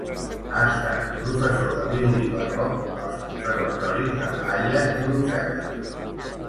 Ha estat professor de violí barroc als Conservatoris de La Haia i Brussel·les.